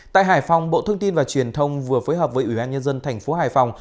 tại hải phòng bộ thông tin và truyền thông vừa phối hợp với ủy ban nhân dân thành phố hải phòng